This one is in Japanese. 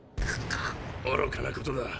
おろかなことだ。